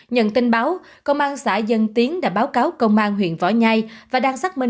nhận tin báo công an xã dân tiến đã báo cáo công an huyện võ nhai và đang xác minh